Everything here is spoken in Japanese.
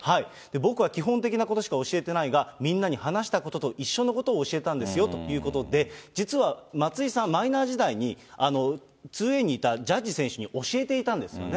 僕は基本的なことしか教えてないが、みんなに話したことと一緒のことを教えたんですよということで、実は松井さん、マイナー時代ににいたに教えていたんですよね。